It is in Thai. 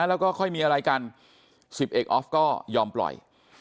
แล้วก็ค่อยมีอะไรกัน๑๐เอกออฟก็ยอมปล่อย